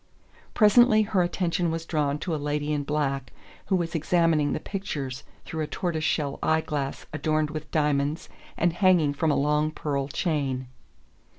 Presently her attention was drawn to a lady in black who was examining the pictures through a tortoise shell eye glass adorned with diamonds and hanging from a long pearl chain.